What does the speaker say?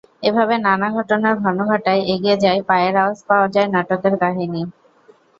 এভাবে নানা ঘটনার ঘনঘটায় এগিয়ে যায় পায়ের আওয়াজ পাওয়া যায় নাটকের কাহিনি।